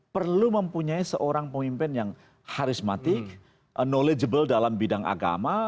perlu mempunyai seorang pemimpin yang karismatik knowledgeble dalam bidang agama